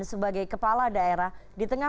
sebagai kepala daerah di tengah